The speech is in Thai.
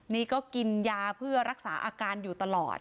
นี่ก็กินยาเพื่อรักษาอาการอยู่ตลอด